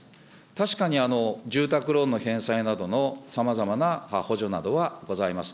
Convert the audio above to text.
確かに住宅ローンの返済などのさまざまな補助などはございます。